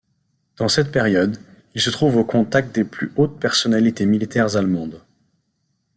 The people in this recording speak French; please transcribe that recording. Dans cette période, il se trouve au contact des plus hautes personnalités militaires allemandes.